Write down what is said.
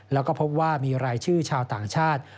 แล้วก็พบว่ามีรายชื่อชาวต่างชาติ